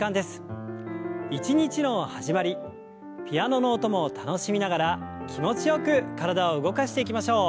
一日の始まりピアノの音も楽しみながら気持ちよく体を動かしていきましょう。